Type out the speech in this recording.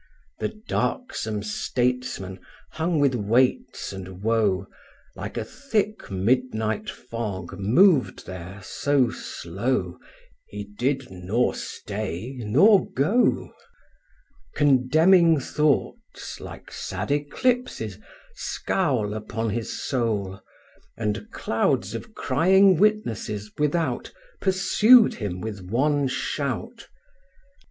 2. The darksome statesman hung with weights and woe Like a thick midnight fog mov'd there so slow He did nor stay, nor go; Condemning thoughts (like sad eclipses) scowl Upon his soul, And clouds of crying witnesses without Pursued him with one shout.